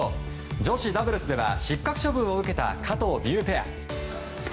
女子ダブルスでは失格処分を受けた加藤未唯ペア。